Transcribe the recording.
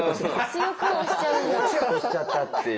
強く押しちゃったっていう。